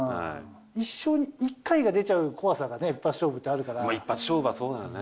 一生に１回が出ちゃう怖さが一発勝負はそうだよね。